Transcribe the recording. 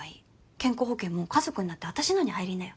健康保険も家族になってあたしのに入りなよ。